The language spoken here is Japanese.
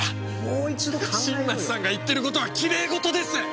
もう一度考えようよ新町さんが言ってることはきれい事です！